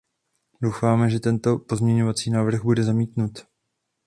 Doufáme, že tento pozměňovací návrh bude zamítnut.